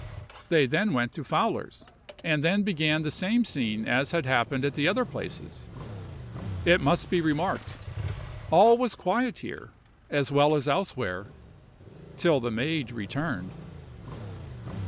They then went to Fowler's, and then began the same scene as had happened at the other places. It must be remarked, all was quiet here as well as elsewhere, till the maid returned.